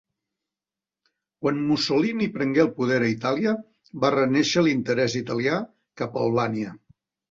Quan Mussolini prengué el poder a Itàlia va renéixer l'interès italià cap a Albània.